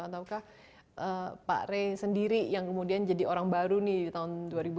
atau pak rey sendiri yang kemudian jadi orang baru di tahun dua ribu sembilan belas